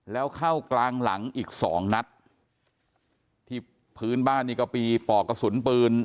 แล้วเข้ากลางหลังอีกสองนัดที่พื้นบ้านนี่ก็มีปอกกระสุนปืน